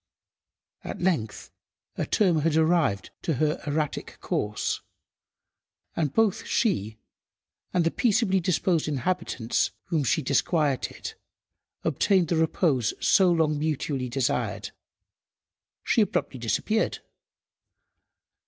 At length a term had arrived to her erratic course, and both she and the peaceably disposed inhabitants whom she disquieted obtained the repose so long mutually desired. She abruptly disappeared.